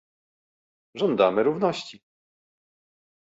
Żądamy równości